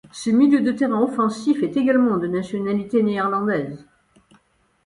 Ce milieu de terrain offensif est également de nationalité néerlandaise.